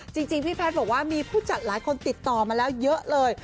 จริงพี่แพทย์บอกว่ามีผู้จัดหลายคนติดต่อมาแล้วเยอะเลย